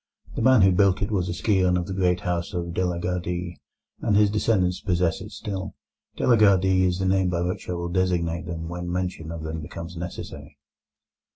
The man who built it was a scion of the great house of De la Gardie, and his descendants possess it still. De la Gardie is the name by which I will designate them when mention of them becomes necessary.